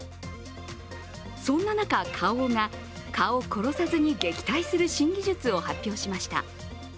そんな中、花王が蚊を殺さずに撃退する新技術を発表しました。